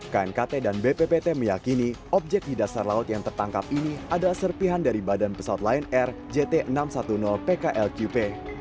knkt dan bppt meyakini objek di dasar laut yang tertangkap ini adalah serpihan dari badan pesawat lion air jt enam ratus sepuluh pklqp